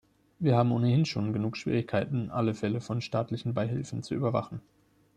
Wir haben ohnehin schon genug Schwierigkeiten, alle Fälle von staatlichen Beihilfen zu überwachen.